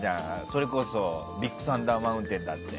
それこそビッグサンダー・マウンテンとかだって。